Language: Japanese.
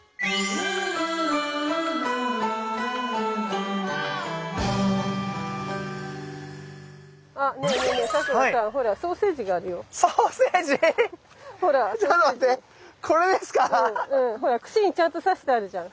うんうんほら串にちゃんと刺してあるじゃん。